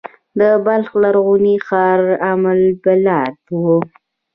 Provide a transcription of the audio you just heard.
د بلخ لرغونی ښار ام البلاد و